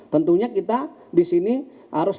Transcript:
tentunya kita di sini harus